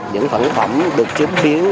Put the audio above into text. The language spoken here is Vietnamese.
những sản phẩm được chiếm biến